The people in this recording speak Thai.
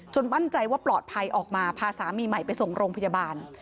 มั่นใจว่าปลอดภัยออกมาพาสามีใหม่ไปส่งโรงพยาบาล